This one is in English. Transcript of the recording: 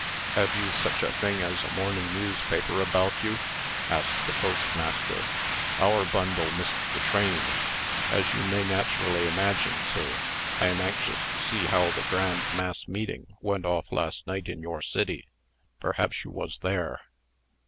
"Have you such a thing as a morning newspaper about you?" asked the postmaster. "Our bundle missed the train. As you may naturally imagine, sir, I am anxious to see how the grand mass meeting went off last night in your city. Perhaps you wos there?"